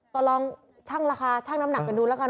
ก็ลองชั่งราคาชั่งน้ำหนักกันดูแล้วกัน